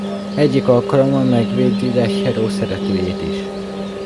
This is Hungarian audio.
Egyik alkalommal megvédi Lechero szeretőjét is.